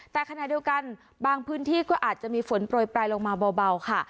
แต่ขณะเดียวกันบางพื้นที่ก็อาจจะมีฝนโปรยปลายลงมาเบาค่ะ